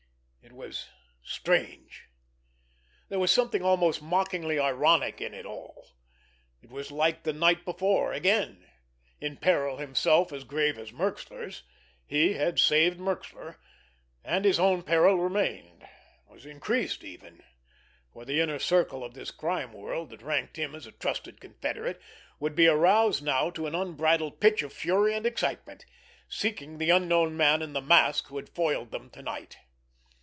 It was strange! There was something almost mockingly ironic in it all! It was like the night before again. In peril himself as grave as Merxler's, he had saved Merxler—and his own peril remained, was increased even, for the inner circle of this crime world that ranked him as a trusted confederate would be aroused now to an unbridled pitch of fury and excitement, seeking the unknown man in the mask who had foiled them to night.